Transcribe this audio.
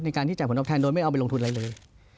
การที่จ่ายผลตอบแทนโดยไม่เอาไปลงทุนอะไรเลย